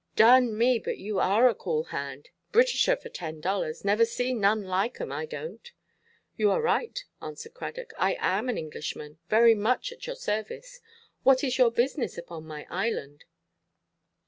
"Darn me, but yoo are a cool hand. Britisher, for ten dollars. Never see none like 'em, I donʼt." "You are right," answered Cradock, "I am an Englishman. Very much at your service. What is your business upon my island?"